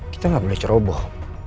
kita nggak boleh ceroboh